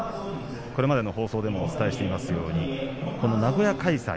これまでの放送でもお伝えしていますようにこの名古屋開催